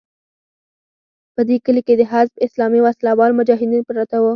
په دې کلي کې د حزب اسلامي وسله وال مجاهدین پراته وو.